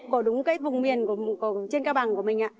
của đúng cái vùng miền trên cao bằng của mình ạ